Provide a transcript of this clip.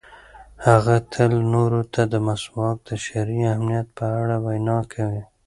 هغه تل نورو ته د مسواک د شرعي اهمیت په اړه وینا کوي.